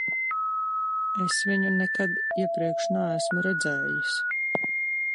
Es viņu nekad iepriekš neesmu redzējis.